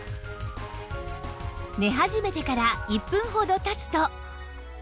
寝始めてから１分ほど経つと